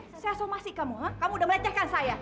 saya somasi kamu hah kamu udah melecehkan saya